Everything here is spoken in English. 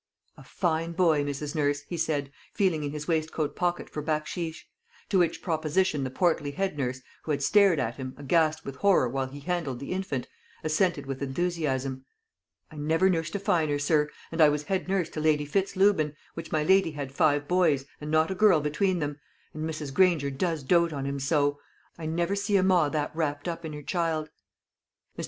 "A fine boy, Mrs. Nurse," he said, feeling in his waistcoat pocket for bacsheesh; to which proposition the portly head nurse, who had stared at him, aghast with horror, while he handled the infant, assented with enthusiasm. "I never nursed a finer, sir; and I was head nurse to Lady Fitz Lubin, which my lady had five boys, and not a girl between them; and Mrs. Granger does dote on him so. I never see a ma that rapt up in her child." Mr.